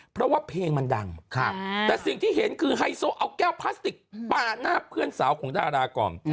เพราะว่าเพลงมันดังแต่สิ่งที่เห็นคือไฮโซเอาแก้วพลาสติกปาหน้าเพื่อนสาวของดาราก่อน